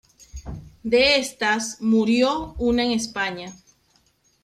De estas murió una en España.